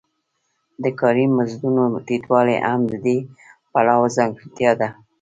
د کاري مزدونو ټیټوالی هم د دې پړاو ځانګړتیا ده